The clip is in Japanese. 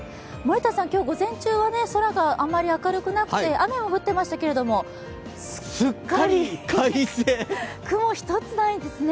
今日午前中は空があんまり明るくなくて雨は降っていましたが、すっかり快晴、雲一つないですね。